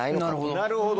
なるほど。